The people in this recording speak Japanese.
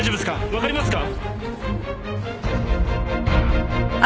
分かりますか！？